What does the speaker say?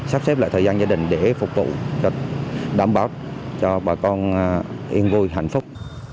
sắp xếp lại thời gian gia đình để phục vụ cho đảm bảo cho bà con yên vui hạnh phúc